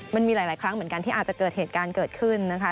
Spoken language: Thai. มันมีหลายครั้งเหมือนกันที่อาจจะเกิดเหตุการณ์เกิดขึ้นนะคะ